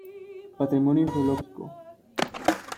Patrimonio geológico